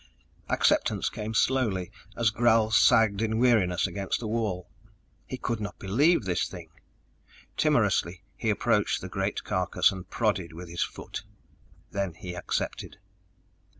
Acceptance came slowly, as Gral sagged in weariness against the wall. He could not believe this thing! Timorously, he approached the great carcass and prodded with his foot. Then he accepted.